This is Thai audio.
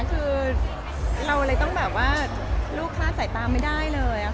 คือเราเลยต้องแบบว่าลูกคลาดสายตาไม่ได้เลย